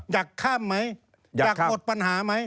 อยากข้ามไหมอยากหมดปัญหาไหม